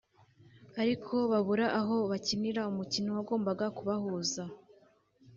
ariko Babura aho bakinira umukino wagumbaga kubahuza